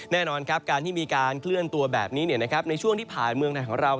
แน่นอนครับการที่มีการเคลื่อนตัวแบบนี้ในช่วงที่ผ่านเมืองไทยของเรา